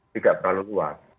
tidak terlalu luas